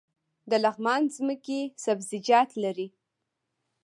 د لغمان ځمکې سبزیجات لري